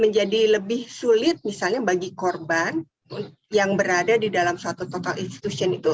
menjadi lebih sulit misalnya bagi korban yang berada di dalam suatu total institution itu